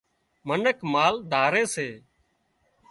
منک مال ڌاري سي